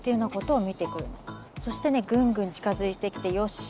そしてねぐんぐん近づいてきてよし